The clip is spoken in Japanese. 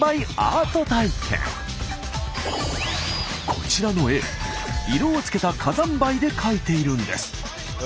こちらの絵色をつけた火山灰で描いているんです。